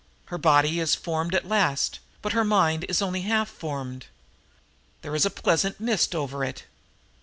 Her body is formed at last, but her mind is only half formed. There is a pleasant mist over it.